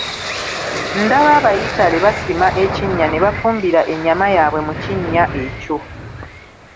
Ndaba Abayitale basima ekinnya ne bafumbira ennyama yabwe mu kinnya ekyo.